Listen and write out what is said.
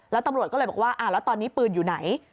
แล้วตำรวจก็เลยบอกว่าแล้วตอนนี้ปืนอยู่ไหน